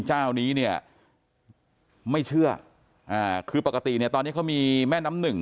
เจ้านี้เนี่ยไม่เชื่ออ่าคือปกติเนี่ยตอนนี้เขามีแม่น้ำหนึ่ง